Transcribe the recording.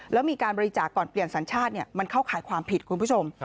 แล้วมีการบริจาคก่อนเปลี่ยนสัญชาติมันเข้าขายความผิดคุณผู้ชม